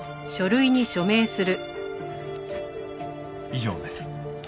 以上です。